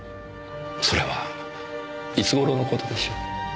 それはいつ頃の事でしょう？